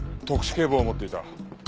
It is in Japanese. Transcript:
特殊警棒を持っていた。